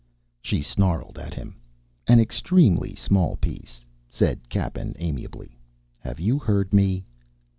She snarled at him. "An extremely small piece," said Cappen amiably. "Have you heard me?"